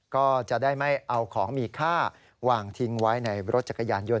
ก็จะได้ไม่เอาของมีค่าวางทิ้งไว้ในรถจักรยานยนต